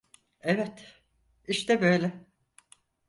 Evet, işte böyle.